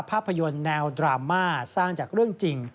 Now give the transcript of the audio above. ภาพยนตร์แนวดราม่าสร้างจากเรื่องจริง